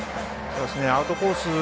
アウトコース